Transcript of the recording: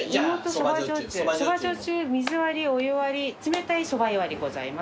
水割りお湯割り冷たい蕎麦湯割りございます。